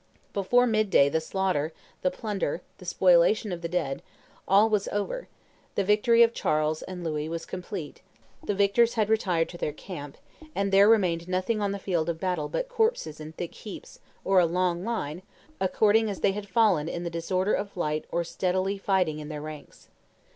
Before midday the slaughter, the plunder, the spoliation of the dead all was over; the victory of Charles and Louis was complete the victors had retired to their camp, and there remained nothing on the field of battle but corpses in thick heaps or a long line, according as they had fallen in the disorder of flight or steadily fighting in their ranks.